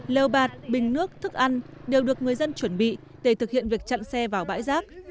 lều bạt bình nước thức ăn đều được người dân chuẩn bị để thực hiện việc chặn xe vào bãi rác